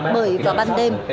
bởi vào ban đêm